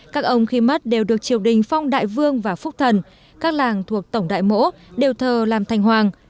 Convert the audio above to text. các ông khi mất đều được triều đình phong đại vương và phúc thần các làng thuộc tổng đại mỗ đều thờ làm thành hoàng